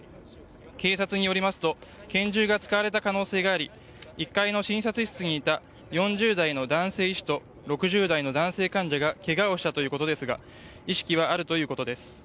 警察によりますと拳銃が使われた可能性があり１階の診察室にいた４０代の男性医師と６０代の男性患者がけがをしたということですが意識はあるということです。